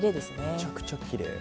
めちゃくちゃきれい。